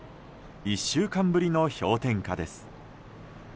１週間ぶりの氷点下です。